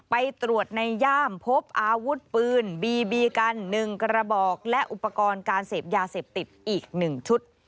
ไปตรวจในย่ามพบอาวุธปืนบีบีกัน๑กระบอกและอุปกรณ์การเสพยาเสพติดอีก๑ชุด